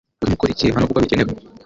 Urimo ukora iki hanokuko bikenewe